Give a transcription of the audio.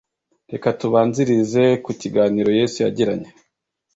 reka tubanzirize ku kiganiro yesu yagiranye